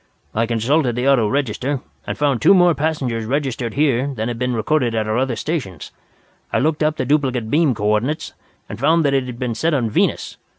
I consulted the auto register, and found two more passengers registered here than had been recorded at our other stations. I looked up the duplicate beam coordinates, and found that it had been set on Venus.